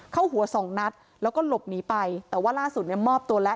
เข้าหัวสองนัดแล้วก็หลบหนีไปแต่ว่าล่าสุดเนี่ยมอบตัวแล้ว